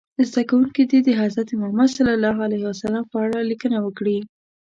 زده کوونکي دې د حضرت محمد ص په اړه لیکنه وکړي.